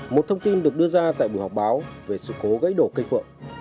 một thông tin được đưa ra tại bộ học báo về sự cố gãy đổ cây phượng